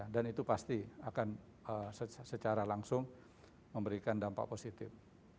dan itu pasti akan secara langsung memberikan dampak positif